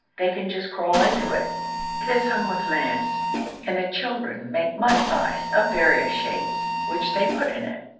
They can just crawl into it. It is hung with lamps, and the children make mud pies of various shapes, which they put in it.